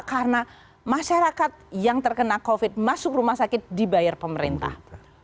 karena masyarakat yang terkena covid masuk rumah sakit dibayar pemerintah